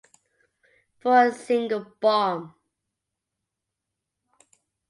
"For a single bomb"